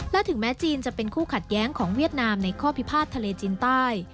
และถึงแม้จีนจะเป็นคู่ขัดแย้งของเวียดนามในข้อพิพาททะเลจีนใต้